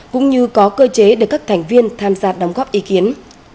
cũng như có cơ chế để các thành viên tham gia đóng góp ý kiến